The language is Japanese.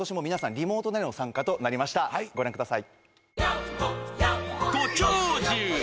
リモートでの参加となりましたご覧ください